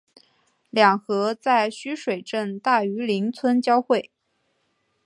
两河在须水镇大榆林村交汇。